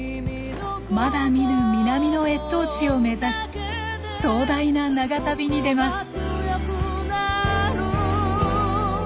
まだ見ぬ南の越冬地を目指し壮大な長旅に出ます。